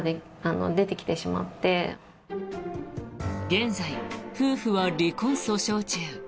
現在、夫婦は離婚訴訟中。